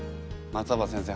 松尾葉先生